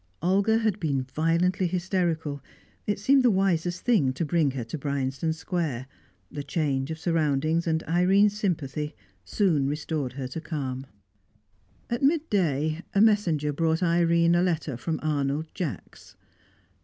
Olga had been violently hysterical; it seemed the wisest thing to bring her to Bryanston Square; the change of surroundings and Irene's sympathy soon restored her to calm. At midday a messenger brought Irene a letter from Arnold Jacks.